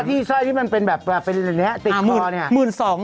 แต่ถ้าที่สร้อยที่มันเป็นแบบติดต่อเนี่ย